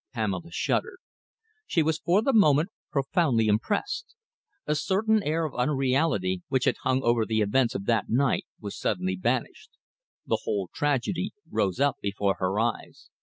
Pamela shuddered. She was for the moment profoundly impressed. A certain air of unreality which had hung over the events of that night was suddenly banished. The whole tragedy rose up before her eyes.